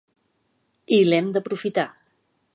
I l’hem d’aprofitar.